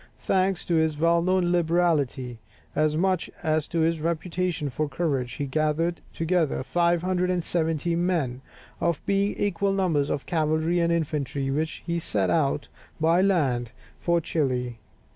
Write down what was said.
Thanks to his well known liberality, as much as to his reputation for courage, he gathered together 570 men, of about equal numbers of cavalry and infantry, with which he set out by land for Chili.